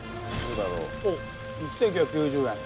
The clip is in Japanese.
おっ１９９０円。